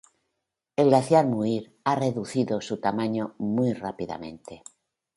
El glaciar Muir ha reducido su tamaño muy rápidamente.